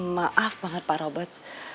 maaf banget pak robert